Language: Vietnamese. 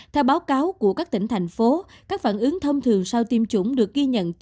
theo báo cáo của các tỉnh thành phố các phản ứng thông thường sau tiêm chủng được ghi nhận